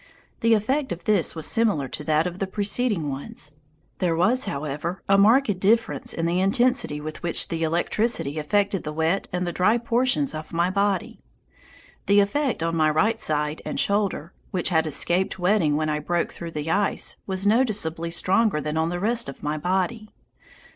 The effect of this was similar to that of the preceding ones. There was, however, a marked difference in the intensity with which the electricity affected the wet and the dry portions of my body. The effect on my right side and shoulder, which had escaped wetting when I broke through the ice, was noticeably stronger than on the rest of my body.